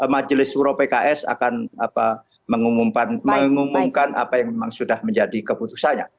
majelis suro pks akan mengumumkan apa yang memang sudah menjadi keputusannya